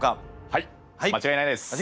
はい間違いないです。